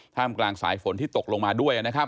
ถ้ามกลางสายฝนที่ตกลงมาด้วย